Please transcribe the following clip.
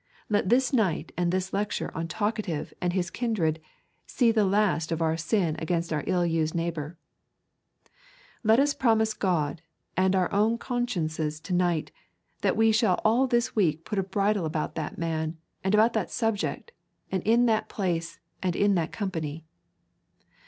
Let this night and this lecture on Talkative and his kindred see the last of our sin against our ill used neighbour. Let us promise God and our own consciences to night, that we shall all this week put on a bridle about that man, and about that subject, and in that place, and in that company.